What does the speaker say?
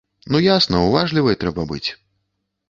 Ну ясна, уважлівай трэба быць.